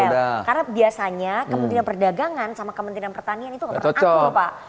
karena biasanya kementerian perdagangan sama kementerian pertanian itu akan akur pak